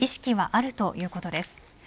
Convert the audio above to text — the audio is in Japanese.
意識はあるということです。